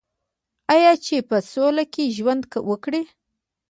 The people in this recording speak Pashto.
آیا چې په سوله کې ژوند وکړي؟